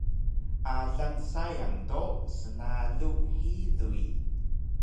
Alang sayang do snalu xiluy